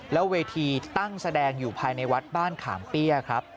แล้วเวทีตั้งแสดงอยู่ภายในวัดบ้านขามเปี้ยครับ